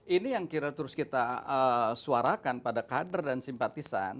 ini yang kira terus kita suarakan pada kader dan simpatisan